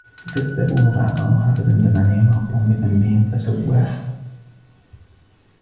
فَكَذَّبُوهُ فَعَقَرُوهَا فَدَمْدَمَ عَلَيْهِمْ رَبُّهُمْ بِذَنْبِهِمْ فَسَوَّاهَا